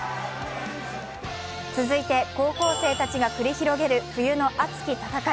続いて高校生たちが繰り広げる冬の熱き戦い。